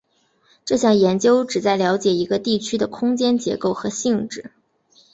这项研究旨在了解一个地区的空间结构和性质。